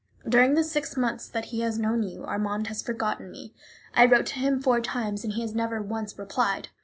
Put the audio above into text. During the six months that he has known you Armand has forgotten me. I wrote to him four times, and he has never once replied.